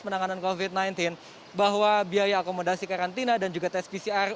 penanganan covid sembilan belas bahwa biaya akomodasi karantina dan juga tes pcr